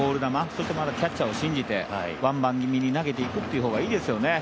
そしてキャッチャーを信じてワンバウンド気味で投げていくというほうがいいですよね。